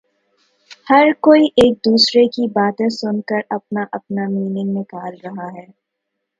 ہر کوئی ایک دوسرے کی باتیں سن کر اپنا اپنا مینینگ نکال رہا ہے